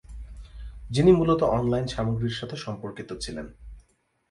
যিনি মূলত অনলাইন সামগ্রীর সাথে সম্পর্কিত ছিলেন।